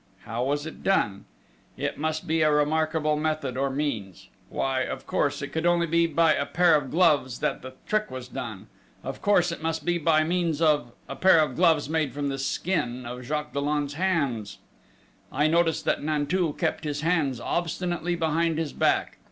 How was it done? It must be a removable method or means ... why, of course, it could only be by a pair of gloves that the trick was done ... of course it must be by means of a pair of gloves made with the skin of Jacques Dollon's hands!... I noticed that Nanteuil kept his hands obstinately behind his back.